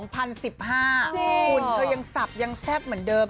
คุณเธอยังสับยังแซ่บเหมือนเดิม